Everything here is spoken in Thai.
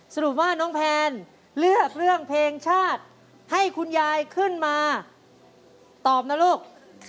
สรุปว่าน้องแพนเลือกเรื่องเพลงชาติให้คุณยายขึ้นมาตอบนะลูก